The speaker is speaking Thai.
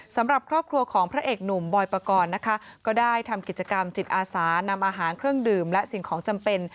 สำหรับครอบครัวของพระเอกหนุ่มบอยปกรณ์นะคะก็ได้ทำกิจกรรมจิตอาสานำอาหารเครื่องดื่มและสิ่งของจำเป็น